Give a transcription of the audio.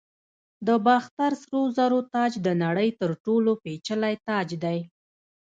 د باختر سرو زرو تاج د نړۍ تر ټولو پیچلی تاج دی